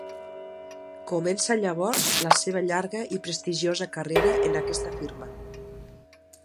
Comença llavors la seva llarga i prestigiosa carrera en aquesta firma.